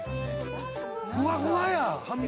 ふわふわやん！